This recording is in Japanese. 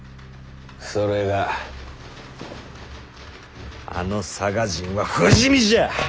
それがあの佐賀人は不死身じゃ！